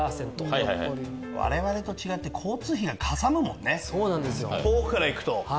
我々と違って交通費がかさむもんね遠くから行くと。